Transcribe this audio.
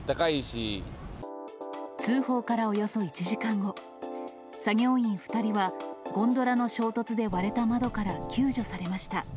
通報からおよそ１時間後、作業員２人は、ゴンドラの衝突で割れた窓から救助されました。